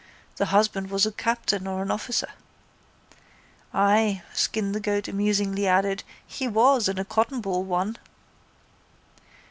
The husband was a captain or an officer. —Ay, Skin the Goat amusingly added, he was and a cottonball one.